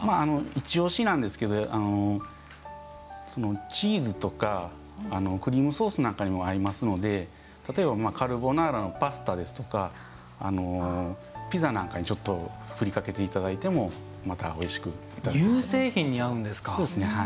一押しなんですけどチーズとかクリームソースなんかにも合いますので、例えばカルボナーラのパスタなんかやピザなんかにちょっと振りかけていただいてもまた、おいしくいただけます。